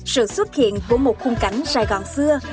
sự xuất hiện của một khung cảnh sài gòn xưa